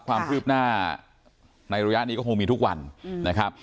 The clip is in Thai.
ความคืบหน้าในระยะนี้ก็คงมีทุกวันนะครับ